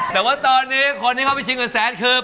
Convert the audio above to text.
แต่ว่าตอนนี้คนที่เข้าไปชิงเงินแสนคือ